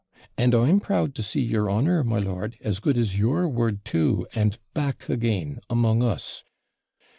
'And I'm proud to see your honour, my lord, as good as your word too, and back again among us.